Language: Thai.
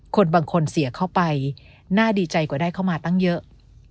คนบางคนเสียเข้าไปน่าดีใจกว่าได้เข้ามาตั้งเยอะ